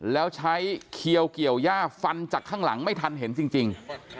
แล้วใช้เขียวเกี่ยวย่าฟันจากข้างหลังไม่ทันเห็นจริง